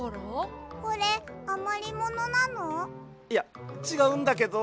いやちがうんだけど。